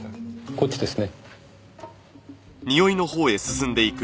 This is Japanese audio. こっちですね。